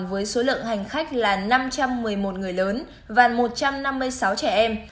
với số lượng hành khách là năm trăm một mươi một người lớn và một trăm năm mươi sáu trẻ em